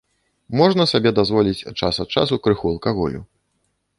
Можна сабе дазволіць час ад часу крыху алкаголю.